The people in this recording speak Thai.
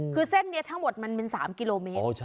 คือเส้นนี้ทั้งหมดมันเป็น๓กิโลเมตร